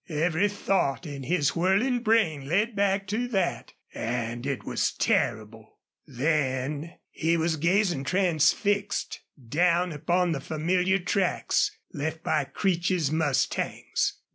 Every thought in his whirling brain led back to that and it was terrible. Then he was gazing transfixed down upon the familiar tracks left by Creech's mustangs.